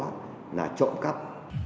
cái đó là trộm cắp